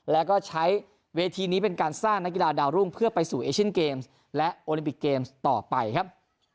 แล้วก็ใช้เวทีนี้เป็นการสร้างนักกีฬาดาวรุ่งเพื่อไปสู่เอเชียนเกมส์และโอลิมปิกเกมส์ต่อไปครับ